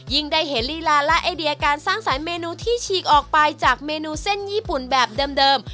ยิ่งได้เห็นรีลาและไอเดียการสร้างสายเมนูที่ชี่ออกไปจากเมนูเส้นญี่ปุ่นแบบเบิดำเดิม